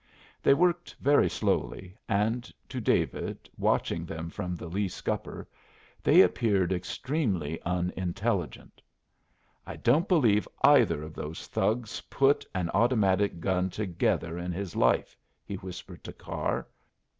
They worked very slowly, and to David, watching them from the lee scupper, they appeared extremely unintelligent. "I don't believe either of those thugs put an automatic gun together in his life," he whispered to Carr.